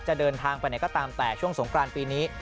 เดินทางไปไหนก็ตามแต่ช่วงสงกรานปีนี้